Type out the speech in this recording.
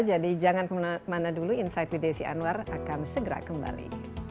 jadi jangan kemana mana dulu insight with desy anwar akan segera kembali